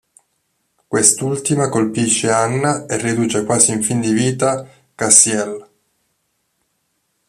Quest'ultima colpisce Hannah e riduce quasi in fin di vita Castiel.